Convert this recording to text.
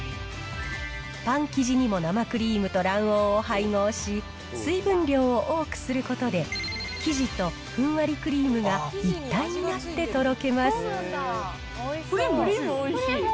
パン生地にも生クリームと卵黄を配合し、水分量を多くすることで、生地とふんわりクリームが一体になってとろけます。